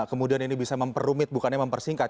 kemudian ini bisa memperumit bukannya mempersingkat